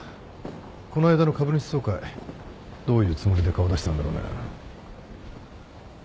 この間の株主総会どういうつもりで顔出したんだろうな。